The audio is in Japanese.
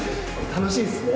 楽しいですね。